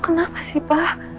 kenapa sih pak